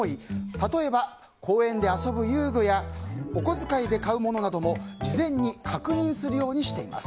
例えば公園で遊ぶ遊具やお小遣いで買うなども事前に確認するようにしています。